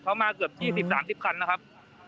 เขามาเกือบ๒๐๓๐คันนะครับ